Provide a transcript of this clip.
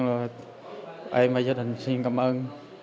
nhưng mà em và gia đình xin cảm ơn